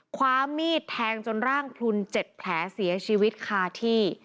ความมีดแทงจนร่างพลุน๗แผลเสียชีวิตคาที่